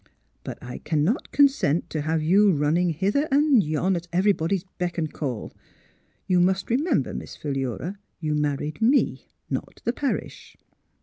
But I cannot consent to have you running hither and yon at everybody's beck and call. You must remember, Miss Philura, you married me, not the parish."